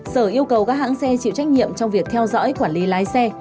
sở yêu cầu các hãng xe chịu trách nhiệm trong việc theo dõi quản lý lái xe